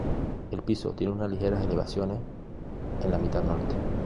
El piso tiene unas ligeras elevaciones en la mitad norte.